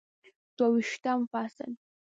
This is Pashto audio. دوه ویشتم فصل